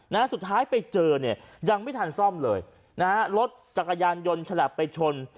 นะฮะสุดท้ายไปเจอเนี่ยยังไม่ทันซ่อมเลยนะฮะรถจักรยานยนต์ฉลับไปชน